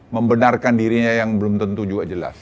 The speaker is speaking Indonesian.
membenarkan dirinya yang belum tentu juga jelas